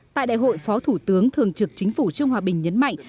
tại đại hội phó thủ tướng thường trực chính phủ trương hòa bình nhấn mạnh